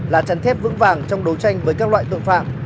là chắn thép vững vàng trong đấu tranh với các loại tội phạm